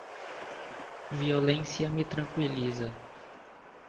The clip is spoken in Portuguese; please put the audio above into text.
Violência me tranquiliza.